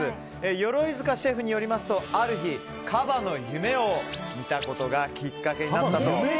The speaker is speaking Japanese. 鎧塚シェフによりますとある日、カバの夢を見たことがきっかけになったと。